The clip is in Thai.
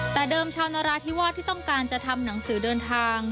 แต่เดิมชาวนราธิวาสที่ต้องการจะทำหนังสือเดินทาง